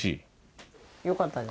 よかったね。